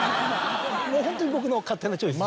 ホントに僕の勝手なチョイスで。